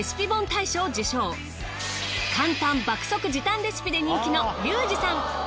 簡単爆速時短レシピで人気のリュウジさん。